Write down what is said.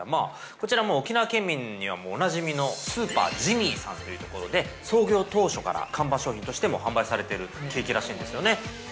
こちら、もう沖縄県民にはもうおなじみのスーパージミーさんというところで創業当初から看板商品としても販売されているケーキらしいんですよね。